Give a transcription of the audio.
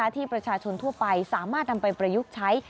ที่ประชาชนทั่วไปสามารถนำไปประยุกต์ใช้